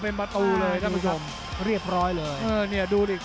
เผ่าฝั่งโขงหมดยก๒